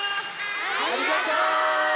ありがとう！